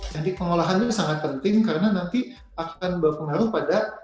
jadi pengolahannya sangat penting karena nanti akan berpengaruh pada